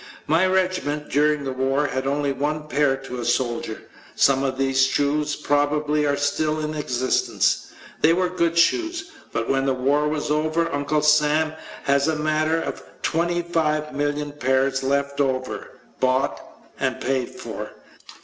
My regiment during the war had only one pair to a soldier. Some of these shoes probably are still in existence. They were good shoes. But when the war was over Uncle Sam has a matter of 25,000,000 pairs left over. Bought and paid for.